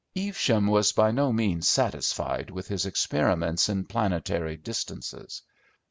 Evesham was by no means satisfied with his experiments in planetary distances.